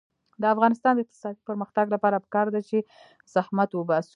د افغانستان د اقتصادي پرمختګ لپاره پکار ده چې زحمت وباسو.